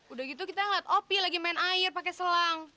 udah gitu kita ngeliat opi lagi main air pakai selang